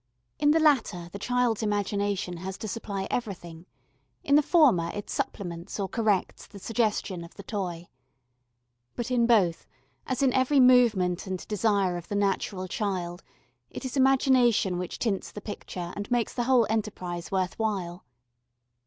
In the latter the child's imagination has to supply everything, in the former it supplements or corrects the suggestion of the toy. But in both, as in every movement and desire of the natural child, it is imagination which tints the picture and makes the whole enterprise worth while.